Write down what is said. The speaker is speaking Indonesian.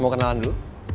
mau kenalan dulu